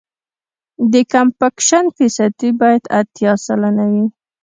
د کمپکشن فیصدي باید اتیا سلنه وي